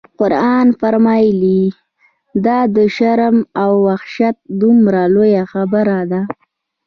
قرآن فرمایي: دا د شرم او وحشت دومره لویه خبره ده.